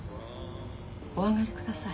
お上がりください。